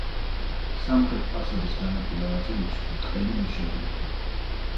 სამხრეთ ფასადის განაპირა ნაწილებში ბრტყელი ნიშებია.